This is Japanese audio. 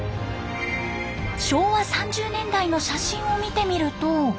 昭和３０年代の写真を見てみると。